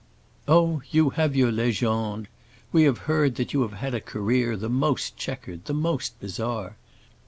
"Oh, you have your légende. We have heard that you have had a career the most checkered, the most bizarre.